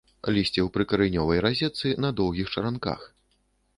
Лісце ў прыкаранёвай разетцы, на доўгіх чаранках.